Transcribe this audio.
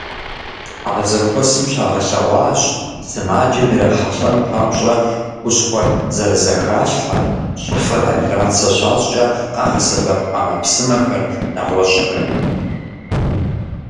А зэхуэсым щагъэлъэгъуащ сымаджэм ирахьэлӀэн папщӀэ хущхъуэр зэрызэхалъхьэр, щӀыфэр операцэ щащӏкӏэ къагъэсэбэп ӏэмэпсымэхэр, нэгъуэщӀхэри.